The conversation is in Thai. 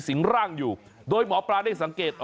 ร่างอยู่โดยหมอปลาได้สังเกต